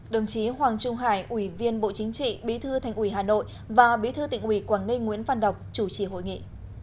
đồng chí hoàng trung hải ủy viên bộ chính trị bí thư thành ủy hà nội và bí thư tỉnh ủy quảng ninh nguyễn văn đọc chủ trì hội nghị